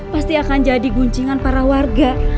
pasti akan jadi guncingan para warga